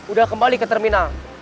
udah kembali ke terminal